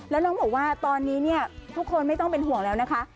แล้วน้องบอกว่าตอนนี้เนี่ยทุกคนไม่ต้องเป็นห่วงแล้วนะคะ